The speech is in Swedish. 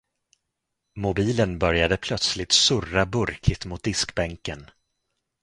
Mobilen började plötsligt surra burkigt mot diskbänken.